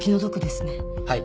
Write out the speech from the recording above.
はい。